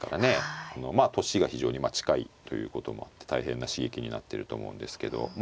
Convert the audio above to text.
まあ年が非常に近いということもあって大変な刺激になってると思うんですけどま